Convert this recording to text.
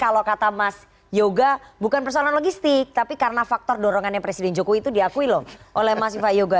kalau kata mas yoga bukan persoalan logistik tapi karena faktor dorongannya presiden jokowi itu diakui loh oleh mas viva yoga